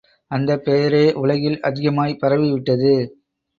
அந்தப் பெயரே உலகில் அதிகமாய்ப் பரவிவிட்டது.